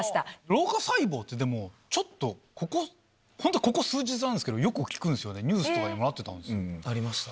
老化細胞って、でも、ちょっと、本当ここ数日なんですけど、よく聞くんですよね、ニュースとありました。